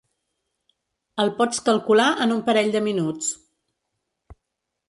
El pots calcular en un parell de minuts.